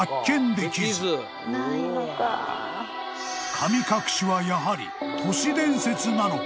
［神隠しはやはり都市伝説なのか？］